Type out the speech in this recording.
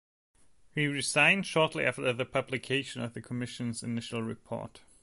He resigned shortly after the publication of the Commission's initial report.